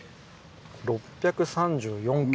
６３４間。